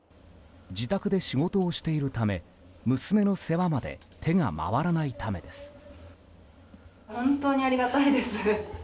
自宅で仕事をしているため娘の世話まで手が回らないためです。